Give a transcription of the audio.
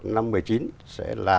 một năm một mươi chín sẽ là